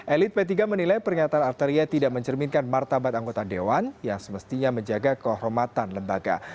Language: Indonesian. elit p tiga menilai pernyataan arteria tidak mencerminkan martabat anggota dewan yang semestinya menjaga kehormatan lembaga